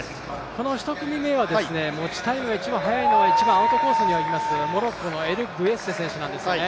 この１組目は持ちタイムが一番速いのが、一番アウトコースにいますモロッコのエルグエッセ選手なんですね。